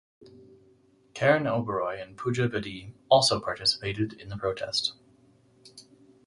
Karan Oberoi and Pooja Bedi also participated in the protest.